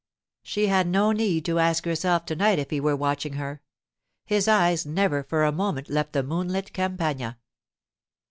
She had no need to ask herself to night if he were watching her. His eyes never for a moment left the moonlit campagna.